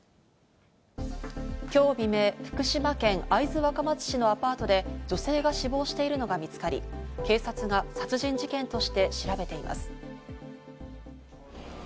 今日未明、福島県会津若松市のアパートで女性が死亡しているのが見つかり、警察が殺人事件として調べています。